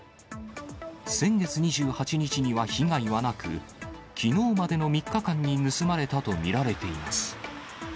先月２８日には被害はなく、きのうまでの３日間に盗まれたと見られています。